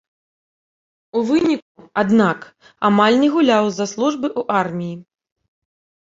У выніку, аднак, амаль не гуляў з-за службы ў арміі.